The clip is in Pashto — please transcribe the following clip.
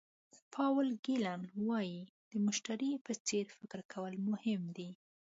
پاول ګیلن وایي د مشتري په څېر فکر کول مهم دي.